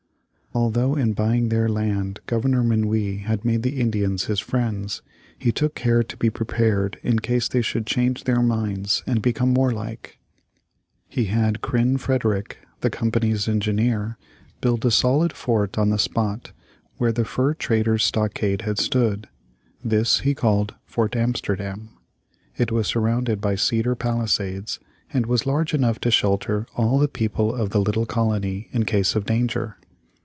Although in buying their land Governor Minuit had made the Indians his friends, he took care to be prepared in case they should change their minds and become warlike. He had Kryn Frederick, the Company's engineer, build a solid fort on the spot where the fur traders' stockade had stood. This he called Fort Amsterdam. It was surrounded by cedar palisades, and was large enough to shelter all the people of the little colony in case of danger.